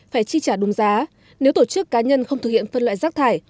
phải chi trả đúng giá nếu tổ chức cá nhân không thực hiện phân loại rác thải